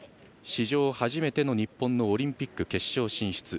史上初めての日本のオリンピック決勝進出。